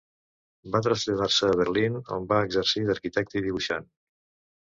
Va traslladar-se a Berlín, on va exercir d'arquitecte i dibuixant.